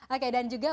oke dan juga